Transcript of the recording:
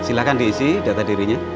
silahkan diisi data dirinya